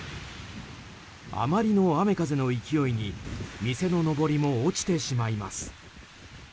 あまりの雨風の勢いに店ののぼりも落ちてしまいます。